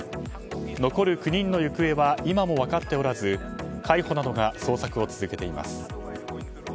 残る９人の行方は今も分かっておらず海保などが捜索を続けています。